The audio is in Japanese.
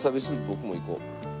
僕もいこう。